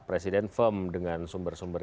presiden firm dengan sumber sumber